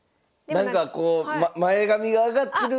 なんかこう前髪が上がってる。